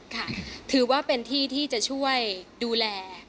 ค่ะถือว่าเป็นที่ที่จะช่วยดูแล